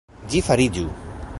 Ĝi fariĝu!